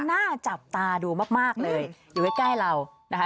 หน้าจับตาดูมากเลยอยู่ใกล้เรานะคะ